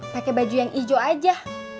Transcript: pakai baju yang hijau aja